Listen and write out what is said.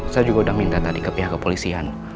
saya juga sudah minta tadi ke pihak kepolisian